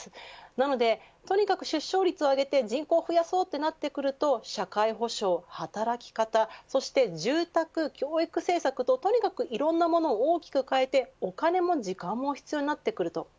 なので、とにかく出生率を上げて人口を増やそうとなってくると社会保障、働き方住宅、教育政策ととにかくいろんなものを大きく変えてお金も時間も必要になってくると。